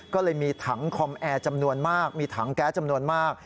ก็เลยมีถังคอมแอร์จำนวนมากมีถังแก๊สจำนวนมาก